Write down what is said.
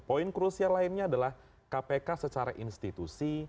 poin krusial lainnya adalah kpk secara institusi